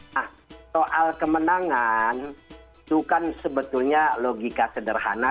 nah soal kemenangan itu kan sebetulnya logika sederhana